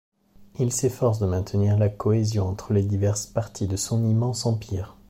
Il s'efforce de maintenir la cohésion entre les diverses parties de son immense empire.